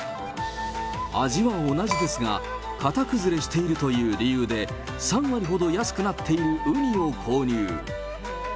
味は同じですが、型崩れしているという理由で、３割ほど安くなっているウニを購入。